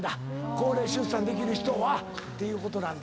高齢出産できる人はっていうことなんだ。